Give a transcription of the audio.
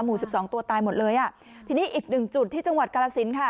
สิบสองตัวตายหมดเลยอ่ะทีนี้อีกหนึ่งจุดที่จังหวัดกาลสินค่ะ